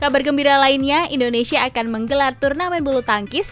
kabar gembira lainnya indonesia akan menggelar turnamen bulu tangkis